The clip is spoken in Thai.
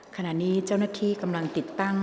ขณะนี้เจ้าหน้าที่กำลังติดตั้ง